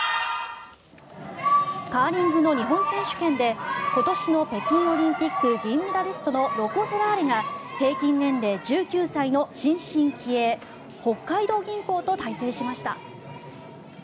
カーリングの日本選手権で今年の北京オリンピック銀メダリストのロコ・ソラーレが平均年齢１９歳の新進気鋭北海道銀行と対戦しました。